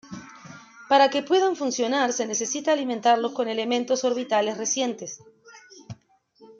Para que puedan funcionar se necesita alimentarlos con elementos orbitales recientes.